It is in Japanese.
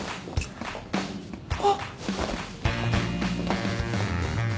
あっ。